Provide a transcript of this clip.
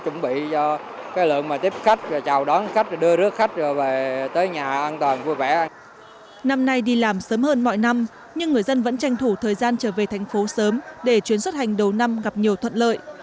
năm nay đi làm sớm hơn mọi năm nhưng người dân vẫn tranh thủ thời gian trở về thành phố sớm để chuyến xuất hành đầu năm gặp nhiều thuận lợi